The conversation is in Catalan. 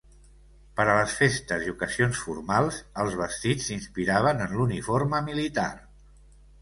Per a les festes i ocasions formals, els vestits s'inspiraven en l'uniforme militar.